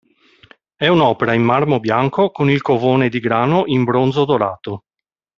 È un'opera in marmo bianco con il covone di grano in bronzo dorato.